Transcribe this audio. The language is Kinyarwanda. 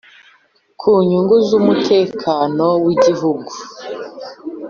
ku nyungu z umutekano w Igihugu